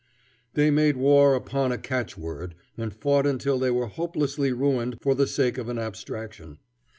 They made war upon a catch word, and fought until they were hopelessly ruined for the sake of an abstraction.